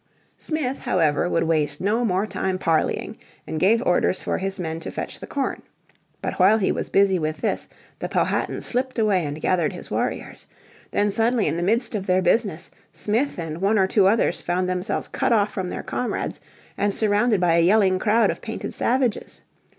Smith, however, would waste no more time parleying, and gave orders for his men to fetch the corn. But while he was busy with this the Powhatan slipped away and gathered his warriors. Then suddenly in the midst of their business Smith and one or two others found themselves cut off from their comrades, and surrounded by a yelling crowd of painted savages.